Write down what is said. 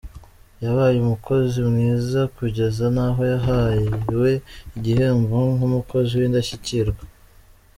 Yabaye umukozi mwiza kugeza naho yahawe igihembo nk’Umukozi w’Indashyikirwa.